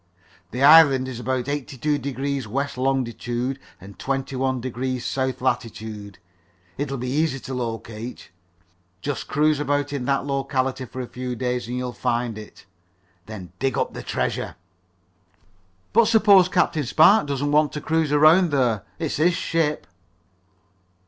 The island is about eighty two degrees west longitude and twenty one degrees south latitude. It'll be easy to locate. Just cruise about in that locality for a few days and you'll find it. Then dig up the treasure." "But suppose Captain Spark doesn't want to cruise around there? It's his ship."